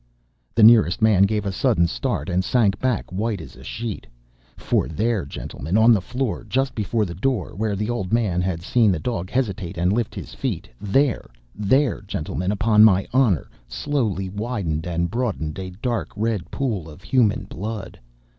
"The nearest man gave a sudden start and sank back white as a sheet. "For there, gentlemen, on the floor, just before the door, where the old man had seen the dog hesitate and lift his feet, there! there! gentlemen upon my honor, slowly widened and broadened a dark red pool of human blood!